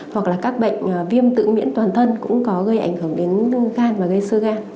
hoặc là các bệnh viêm tự miễn toàn thân cũng có gây ảnh hưởng đến gan và gây sơ gan